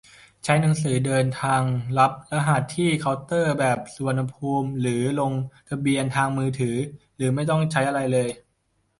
ใช้หนังสือเดินทางรับรหัสที่เคาน์เตอร์แบบสุวรรณภูมิ หรือลงทะเบียนทางมือถือ หรือไม่ต้องใช้อะไรเลย